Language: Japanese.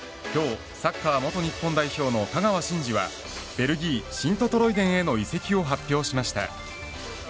今日、サッカー元日本代表の香川真司はベルギーシントトロイデンへの移籍を発表しました。